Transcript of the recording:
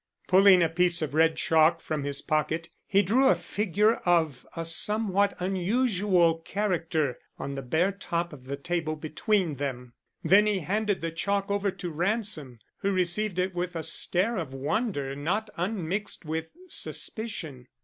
Pulling a piece of red chalk from his pocket, he drew a figure of a somewhat unusual character on the bare top of the table between them; then he handed the chalk over to Ransom, who received it with a stare of wonder not unmixed with suspicion.